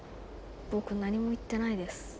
僕何も言ってないです。